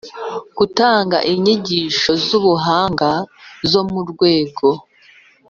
Gutanga inyigisho z ubuhanga zo mu rwego